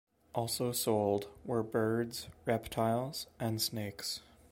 Also sold were birds, reptiles, and snakes.